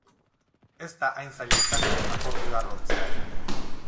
Ez da hain zaila izango akordioa lortzea.